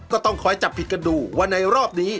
ก็ต้องคอยจับผิดกันดูว่าในรอบนี้